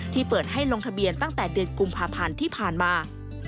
เปิดให้ลงทะเบียนตั้งแต่เดือนกุมภาพันธ์ที่ผ่านมา